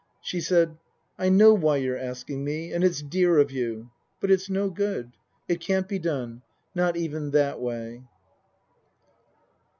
She said, " I know why you're asking me, and it's dear of you. But it's no good. It can't be done. Not even that way."